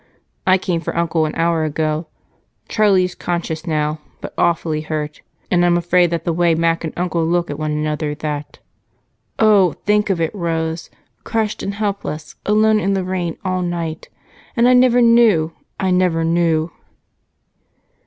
I came for Uncle an hour ago. Charlie is conscious now, but awfully hurt, and I'm afraid from the way Mac and Uncle looked at one another that Oh! Think of it, Rose! Crushed and helpless, alone in the rain all night, and I never knew, I never knew!"